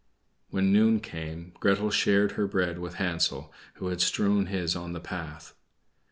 When noon came Gretel shared her bread with Hansel, who had strewn his on the path.